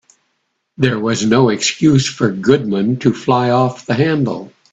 There was no excuse for Goodman to fly off the handle.